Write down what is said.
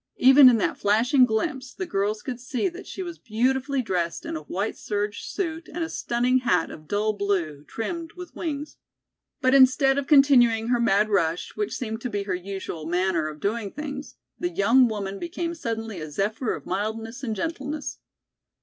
Even in that flashing glimpse the girls could see that she was beautifully dressed in a white serge suit and a stunning hat of dull blue, trimmed with wings. But instead of continuing her mad rush, which seemed to be her usual manner of doing things, the young woman became suddenly a zephyr of mildness and gentleness.